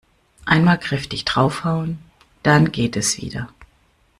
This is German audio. Einmal kräftig draufhauen, dann geht es wieder.